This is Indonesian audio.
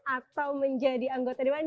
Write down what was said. atau menjadi anggota dewan